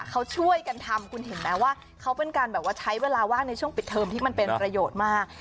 เขาช่วยกันทำคุณเห็นไหมว่าเขาเป็นการแบบว่าใช้เวลาว่างในช่วงปิดเทอมที่มันเป็นประโยชน์มาก